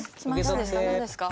何ですか？